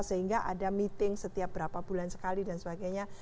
sehingga ada meeting setiap berapa bulan sekali dan sebagainya